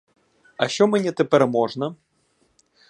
А що мені тепер можна?